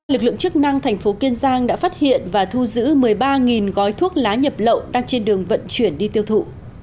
lực lượng chức năng thành phố kiên giang đã phát hiện và thu giữ một mươi ba gói thuốc lá nhập lậu đang trên đường vận chuyển đi tiêu thụ